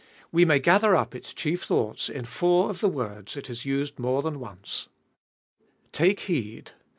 We may gather up its chief thoughts in four of the words it has used more than once. Take heed